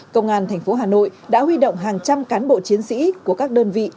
công an tp hà nội đã huy động hàng trăm cán bộ chiến sĩ của các đơn vị